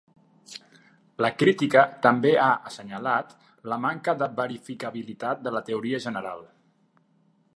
La crítica també ha assenyalat la manca de verificabilitat de la teoria general.